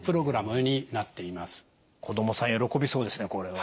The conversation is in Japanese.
子どもさん喜びそうですねこれは。